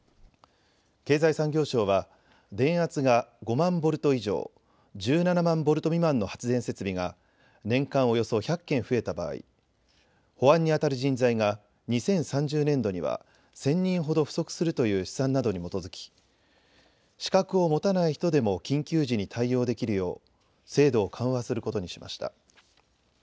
経済産業省は電圧が５万ボルト以上１７万ボルト未満の発電設備が年間およそ１００件増えた場合保安にあたる人材が２０３０年度には１０００人ほど不足するという試算などに基づき資格を持たない人でも緊急時に対応できるよう制度を緩和することにしました。